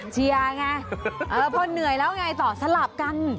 เชียวไงเออเพราะเหนื่อยแล้วไงต่อสลับกัน